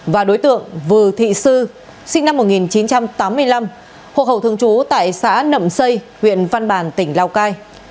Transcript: và đối tượng vư thị sư sinh năm một nghìn chín trăm tám mươi năm hộp hậu thường trú tại xã nậm sây huyện văn bàn tỉnh lào cai